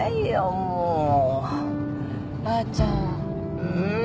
もうばあちゃんん？